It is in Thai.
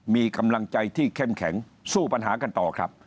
มีกำลังใจที่เข้มแข็งสู้ปัญหากันต่อครับ